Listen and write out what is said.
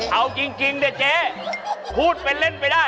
เอาจริงเนี่ยเจ๊พูดเป็นเล่นไปได้